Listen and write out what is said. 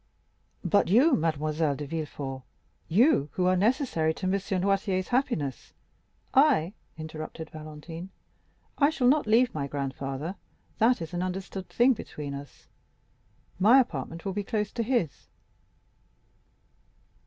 "But you, Mademoiselle de Villefort,—you, who are necessary to M. Noirtier's happiness——" "I?" interrupted Valentine; "I shall not leave my grandfather,—that is an understood thing between us. My apartment will be close to his.